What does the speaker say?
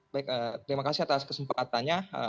baik terima kasih atas kesempatannya